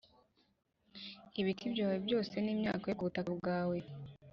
Ibiti byawe byose n imyaka yo ku butaka bwawe